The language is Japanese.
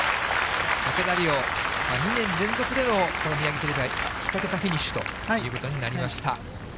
竹田麗央、２年連続でのミヤギテレビ杯２桁フィニッシュということになりました。